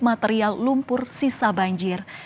material lumpur sisa banjir